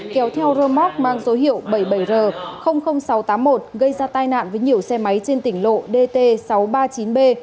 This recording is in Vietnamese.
kéo theo rơ móc mang số hiệu bảy mươi bảy r sáu trăm tám mươi một gây ra tai nạn với nhiều xe máy trên tỉnh lộ dt sáu trăm ba mươi chín b